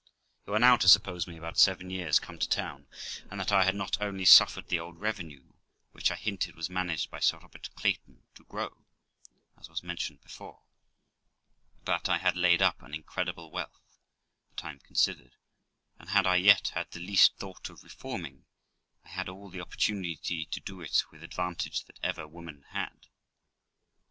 THE LIFE OF ROXANA 30 1 You are now to suppose me about seven years come to town, and that I had not only suffered the old revenue, which I hinted was managed by Sir Robert Clayton, to grow, as was mentioned before, but I had laid up an incredible wealth, the time considered; and, had I yet had the least thought of reforming, I had all the opportunity to do it with advantage that ever woman had.